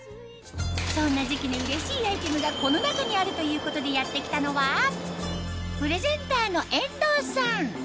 そんな時期にうれしいアイテムがこの中にあるということでやって来たのはプレゼンターの遠藤さん